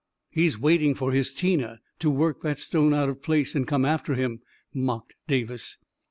u He's waiting for his Tina to work that stone out of place and come after him I " mocked Davis.